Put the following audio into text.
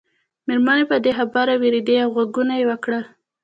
مېرمنې په دې خبره ووېرېدې او غږونه یې وکړل.